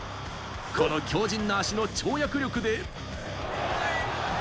この強靭な足の跳躍力で。